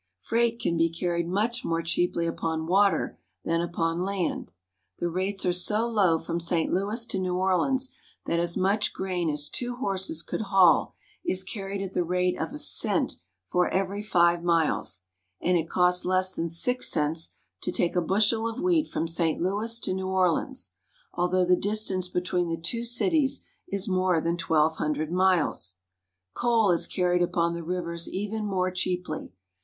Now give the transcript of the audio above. Freight can be carried much more cheaply upon water than upon land. The rates are so low from St. Louis to New Orleans that as much grain as two horses could haul RIVER TRAFFIC. 157 is carried at the rate of a cent for every five miles, and it costs less than six cents to take a bushel of wheat from St. Louis to New Orleans, although the distance between the two cities is more than twelve hundred miles. Coal is carried upon the rivers even more cheaply.